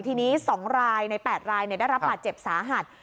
ทีนี้๒รายใน๘รายได้รับบาดเจ็บสาหัส